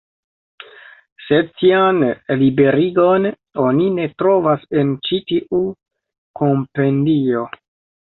Sed tian liberigon oni ne trovas en ĉi tiu Kompendio.